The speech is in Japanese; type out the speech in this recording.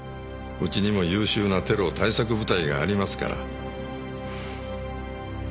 うちにも優秀なテロ対策部隊がありますから。